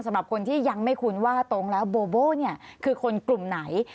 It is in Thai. สำหรับคนที่ยังไม่คุ้นว่าตรงแล้วโบโบ้เนี่ยคือคนกลุ่มไหน